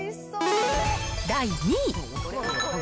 第２位。